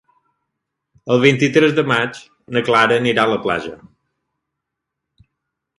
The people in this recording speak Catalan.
El vint-i-tres de maig na Clara anirà a la platja.